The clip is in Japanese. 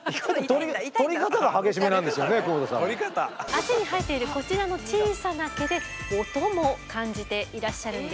脚に生えているこちらの小さな毛で音も感じていらっしゃるんです。